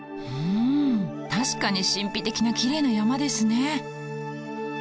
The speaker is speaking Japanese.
うん確かに神秘的なきれいな山ですね。